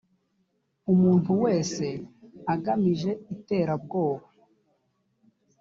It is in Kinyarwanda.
umuntu wese agamije iterabwoba